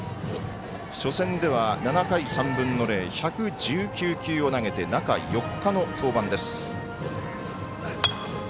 初戦では、７回３分の０１１９球を投げて中４日の登板です。